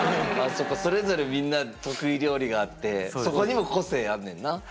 そうかそれぞれみんな得意料理があってそこにも個性あるねんな。